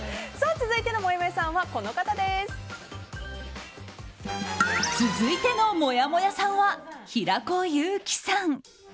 続いてのもやもやさんは、この方。続いてのもやもやさんは平子祐希さん。